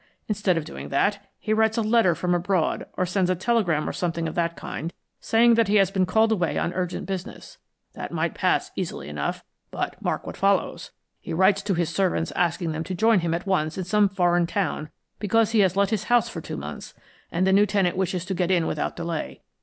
Instead of doing that, he writes a letter from abroad, or sends a telegram or something of that kind, saying that he has been called away on urgent business. That might pass easily enough, but mark what follows. He writes to his servants asking them to join him at once in some foreign town because he has let his house for two months, and the new tenant wishes to get in without delay.